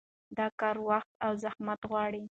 دا کار وخت او زحمت غواړي.